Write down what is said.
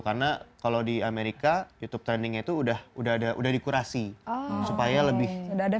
karena kalau di amerika youtube trending itu udah di kurasi supaya lebih bagus